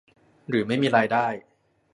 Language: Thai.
หรือไม่มีรายได้